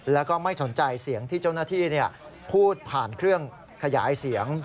แล้วก็ไม่สนใจเสียงที่เจ้าหน้าที่พูดผ่านเครื่องขยายเสียง